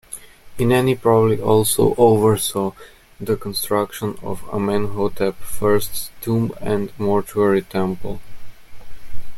Ineni probably also oversaw the construction of Amenhotep I's tomb and mortuary temple.